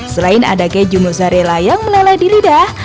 selain ada keju mozzarella yang meleleh di lidah